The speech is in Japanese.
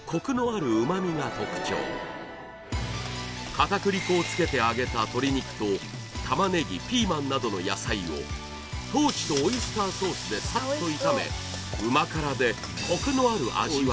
片栗粉をつけて揚げた鶏肉と玉ねぎピーマンなどの野菜をトウチとオイスターソースでさっと炒めさらに